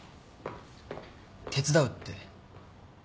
手伝うって？